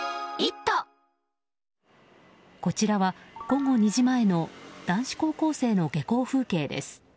こちらは午後２時前の男子高校生の下校風景です。